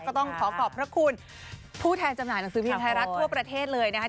ก็ต้องขอขอบพระคุณผู้แทนจำหน่ายหนังสือพิมพ์ไทยรัฐทั่วประเทศเลยนะคะ